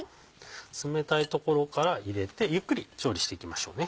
冷たいところから入れてゆっくり調理していきましょうね。